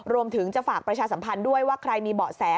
รวมถึงจะฝากประชาสัมพันธ์ด้วยว่าใครมีเบาะแส